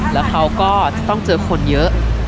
แล้วเขาก็จะต้องเจอคนเยอะ